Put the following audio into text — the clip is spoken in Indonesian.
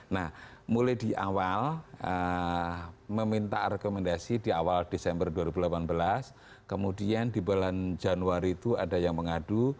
nah mulai di awal meminta rekomendasi di awal desember dua ribu delapan belas kemudian di bulan januari itu ada yang mengadu